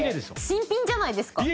新品じゃないですか。